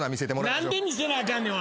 何で見せなあかんねん。